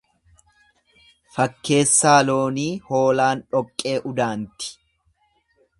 Fakkeessaa loonii hoolaan dhoqqee udaanti.